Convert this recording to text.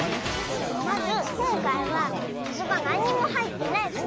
まずこんかいはみずがなんにもはいってないコップ。